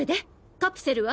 カプセルは？